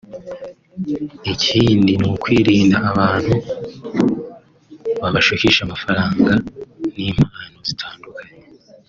Ikindi n’ukwirinda abantu babashukisha amafaranga n’impano zitandukanye